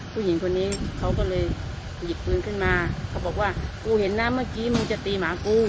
ผู้หญิงคนนี้เขาก็เลยหยิบปืนขึ้นมาเขาบอกว่ากูเห็นนะเมื่อกี้มึงจะตีหมากู